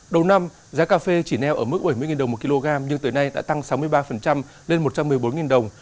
đầu năm giá cà phê chỉ neo ở mức bảy mươi đồng một kg nhưng tới nay đã tăng sáu mươi ba lên một trăm một mươi bốn đồng